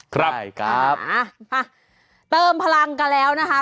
ครับค่ะป่ะเติมพลังกันแล้วนะคะ